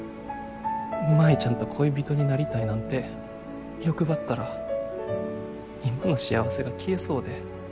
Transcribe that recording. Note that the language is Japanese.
舞ちゃんと恋人になりたいなんて欲張ったら今の幸せが消えそうで。